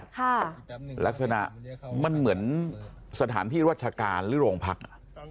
ค่ะลักษณะมันเหมือนสถานที่รัชการหรือโรงพักอ่ะ